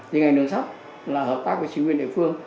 thì ngành ngân sách là hợp tác với chính quyền địa phương